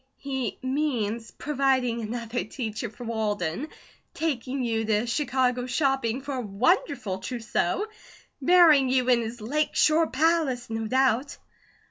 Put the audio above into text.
"He means providing another teacher for Walden, taking you to Chicago shopping for a wonderful trousseau, marrying you in his Lake Shore palace, no doubt."